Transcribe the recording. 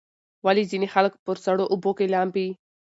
ولې ځینې خلک په سړو اوبو کې لامبي؟